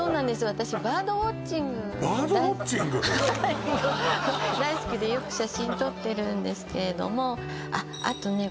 私バードウォッチングもはい大好きでよく写真撮ってるんですけれどもあっあとね